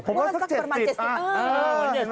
เหมือนเจ็ดสิบประมาณเจ็ดสิบ